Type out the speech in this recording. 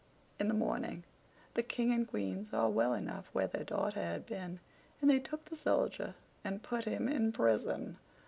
In the morning the King and Queen saw well enough where their daughter had been, and they took the Soldier and put him in prison.